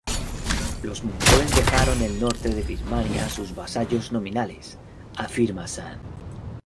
Los mongoles dejaron el norte de Birmania a sus vasallos nominales, afirma Shan.